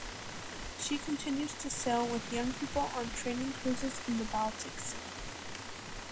She continues to sail with young people on training cruises in the Baltic Sea.